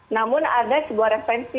namun ada sebuah referensi